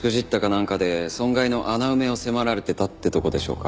なんかで損害の穴埋めを迫られてたってとこでしょうか。